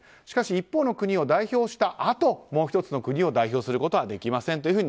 しかし一方の国を代表したあともう１つの国を代表はできないと。